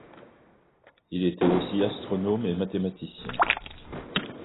Il était aussi astronome et mathématicien.